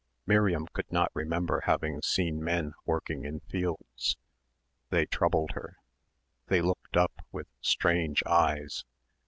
Miriam could not remember having seen men working in fields. They troubled her. They looked up with strange eyes.